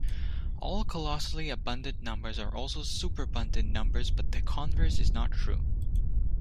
All colossally abundant numbers are also superabundant numbers, but the converse is not true.